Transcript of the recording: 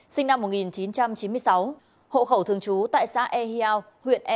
sinh năm một nghìn chín trăm chín mươi sáu hộ khẩu thường trú tại xã e hiao huyện e